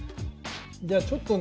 じゃあちょっとね